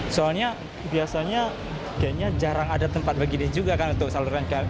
soalnya biasanya kayaknya jarang ada tempat begini juga kan untuk salurkan kreativitas